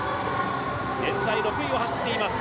現在６位を走っています。